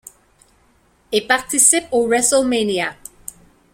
Et participe au WrestleMania.